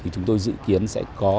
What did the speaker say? chúng tôi dự kiến sẽ có